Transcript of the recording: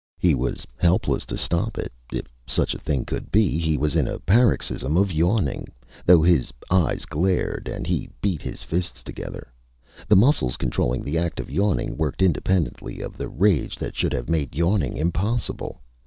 He was helpless to stop it. If such a thing could be, he was in a paroxysm of yawning, though his eyes glared and he beat his fists together. The muscles controlling the act of yawning worked independently of the rage that should have made yawning impossible.